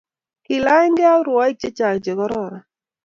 kiilanykei ak rwoik chechang chekororon